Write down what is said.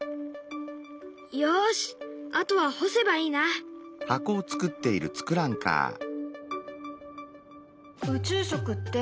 よしあとは干せばいいな。宇宙食って。